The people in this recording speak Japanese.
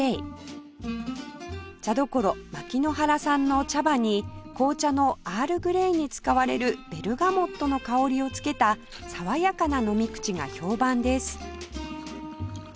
茶処牧之原産の茶葉に紅茶のアールグレイに使われるベルガモットの香りをつけた爽やかな飲み口が評判です